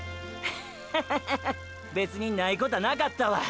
ッハハハハ別にないこたなかったわ。